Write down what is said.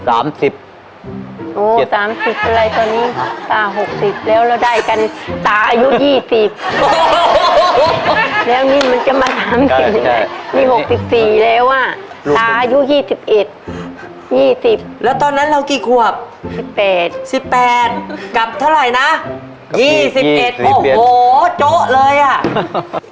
โอ้โหโจ๊ะเลยอะ